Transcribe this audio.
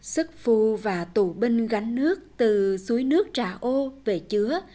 sức phu và tù binh gánh nước từ suối nước trà ô về chứa